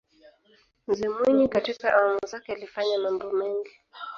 mzee mwinyi katika awamu zake alifanya mambo mengi